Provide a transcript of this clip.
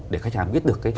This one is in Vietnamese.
để khách hàng biết được